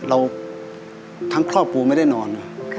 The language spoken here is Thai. เราทั้งครอบครัวไม่ได้นอน